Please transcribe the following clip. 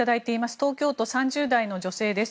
東京都、３０代の女性です。